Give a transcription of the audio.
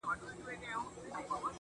گنې د کفر په نامه ماته مُلا وايي_